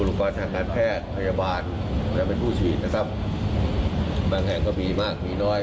ก็เลยทำให้นายกก็ย้ำนะคะบอกว่าการระบาดในระรอกเมษาเนี่ย